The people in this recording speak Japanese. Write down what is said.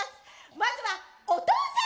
まずはお父さん！